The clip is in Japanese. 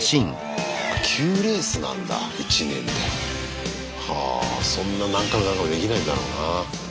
あっ９レースなんだ１年で。はそんな何回も何回もできないんだろうな。